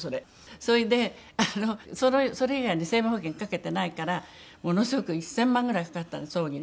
それでそれ以外に生命保険掛けてないからものすごく１０００万ぐらいかかったの葬儀に。